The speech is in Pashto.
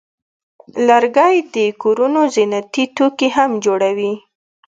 لرګی د کورونو زینتي توکي هم جوړوي.